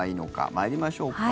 参りましょうか。